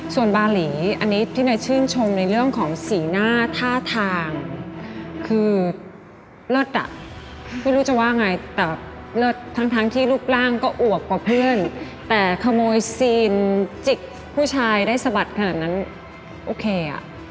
ส่วนบาหลีอันนี้ที่นายชื่นชมในเรื่องของสีหน้าท่าทางคือเลิศอ่ะไม่รู้จะว่าไงแต่เลิศทั้งที่รูปร่างก็อวกกว่าเพื่อนแต่ขโมยซีนจิกผู้ชายได้สะบัดขนาดนั้นโอเคอ่ะ